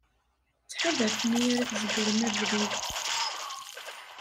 Ttḥadaret mi ara tzegrem abrid.